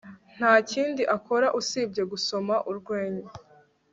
Nta kindi akora usibye gusoma urwenya